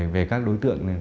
về các đối tượng